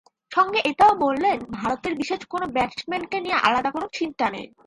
সঙ্গে এটাও বললেন, ভারতের বিশেষ কোনো ব্যাটসম্যানকে নিয়ে আলাদা চিন্তা নেই।